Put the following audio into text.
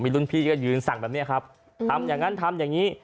รุ่นพี่ก็ยืนสั่งแบบนี้ครับทำอย่างนั้นทำอย่างนี้